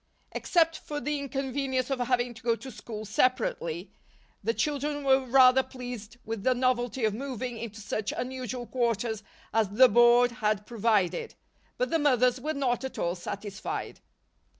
Except for the inconvenience of having to go to school separately the children were rather pleased with the novelty of moving into such unusual quarters as the Board had provided; but the mothers were not at all satisfied.